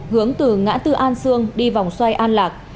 hướng từ ngã tư an sương đi vòng xoay an lạc